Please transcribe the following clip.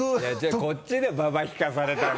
こっちだよババ引かされたの。